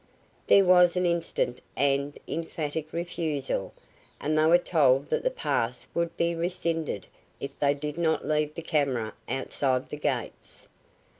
There was an instant and emphatic refusal, and they were told that the pass would be rescinded if they did not leave the camera outside the gates.